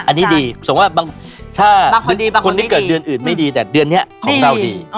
อันนี้ดีส่งว่าบางถ้าคนที่เกิดเดือนอื่นไม่ดีแต่เดือนนี้ของเราดี